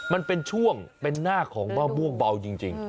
มันเป็นช่วงเป็นหน้าของมะม่วงเบาจริง